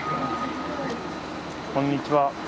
こんにちは。